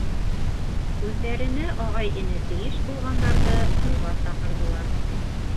Үҙҙәренә ағай-эне тейеш булғандарҙы туйға саҡырҙылар.